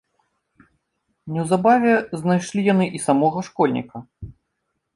Неўзабаве знайшлі яны і самога школьніка.